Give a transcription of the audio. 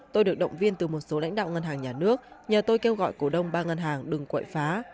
tôi được động viên từ một số lãnh đạo ngân hàng nhà nước nhờ tôi kêu gọi cổ đông ba ngân hàng đừng quậy phá